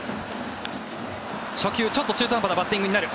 初球、ちょっと中途半端なバッティングになる。